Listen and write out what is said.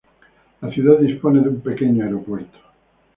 La ciudad dispone de un pequeño aeropuerto.